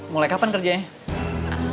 mulai kapan kerjanya